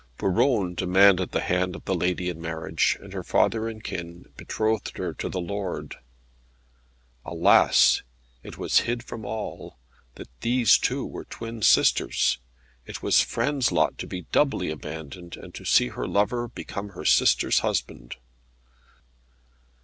Buron demanded the hand of the lady in marriage, and her father and kin betrothed her to the lord. Alas! it was hid from all, that these two were twin sisters. It was Frêne's lot to be doubly abandoned, and to see her lover become her sister's husband.